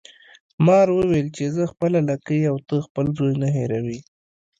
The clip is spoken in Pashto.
مار وویل چې زه خپله لکۍ او ته خپل زوی نه هیروي.